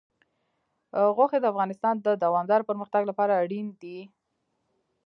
غوښې د افغانستان د دوامداره پرمختګ لپاره اړین دي.